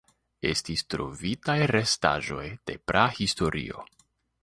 Estis trovitaj restaĵoj de prahistorio.